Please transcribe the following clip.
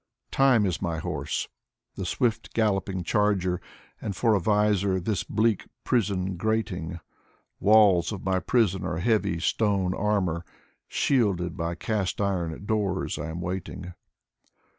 Time is my horse, the swift galloping charger, And for a visor this bleak prison grating. Walls of my prison are heavy stone armor; Shielded by cast iron doors, I am waiting.